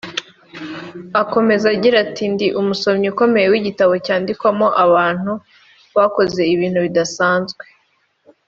Akomeza agira ati “Ndi umusomyi ukomeye w’igitabo cyandikwamo abantu bakoze ibintu bidasanze